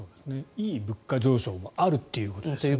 いい物価上昇もあるということですよね